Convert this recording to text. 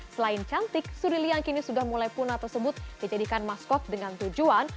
selain cantik surili yang kini sudah mulai punah tersebut dijadikan maskot dengan tujuan